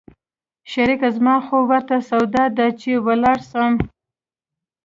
شريکه زما خو ورته سودا ده چې ولاړ سم.